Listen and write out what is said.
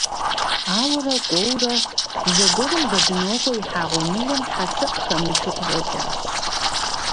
Ауэрэ кӀуэурэ, зэгуэрым Бэдынокъуэ ихьа гъуэмылэм хьэтыкъ хэмылъу къыщӀэкӀащ.